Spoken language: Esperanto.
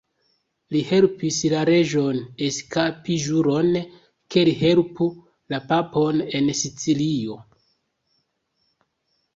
Li helpis la reĝon eskapi ĵuron ke li helpu la papon en Sicilio.